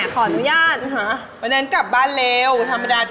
ขออนุญาต